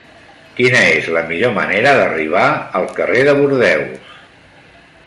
Quina és la millor manera d'arribar al carrer de Bordeus?